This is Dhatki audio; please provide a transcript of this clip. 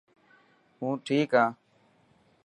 هون ٺيڪ هان.